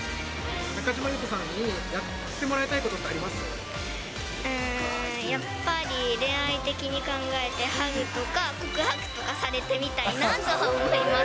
中島裕翔さんにやってもらいうーん、やっぱり、恋愛的に考えて、ハグとか、告白とかされてみたいなと思います。